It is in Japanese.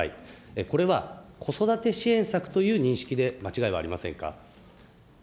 これは子育て支援策という認識で間違いはありませんか。